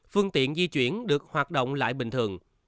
phương tiện di chuyển được hoạt động lại bình thường